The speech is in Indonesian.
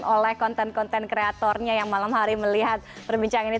oleh content content creatornya yang malam hari melihat perbincangan ini